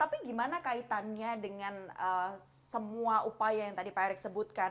tapi gimana kaitannya dengan semua upaya yang tadi pak erick sebutkan